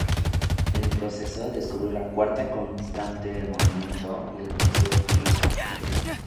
En el proceso, descubrió la "cuarta constante del movimiento" y el "tensor Killing-Yano".